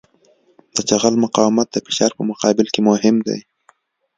د جغل مقاومت د فشار په مقابل کې مهم دی